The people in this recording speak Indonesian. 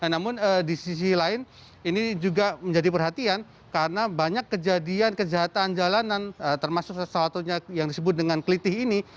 namun di sisi lain ini juga menjadi perhatian karena banyak kejadian kejahatan jalanan termasuk sesuatu yang disebut dengan keliti ini